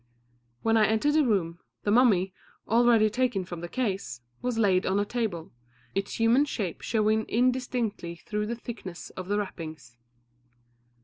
When I entered the room, the mummy, already taken from the case, was laid on a table, its human shape showing indistinctly through the thickness of the wrappings.